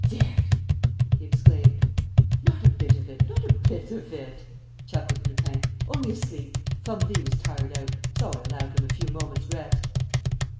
"Dead!" he exclaimed. "Not a bit of it, not a bit of it," chuckled Lupin, "only asleep! Formerie was tired out ... so I allowed him a few moments' rest."